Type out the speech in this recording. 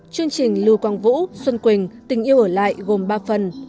chương trình lưu quang vũ xuân quỳnh tình yêu ở lại gồm ba phần